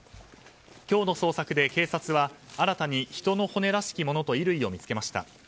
今日の捜索で警察は新たに人の骨らしきものと衣類を見つけました。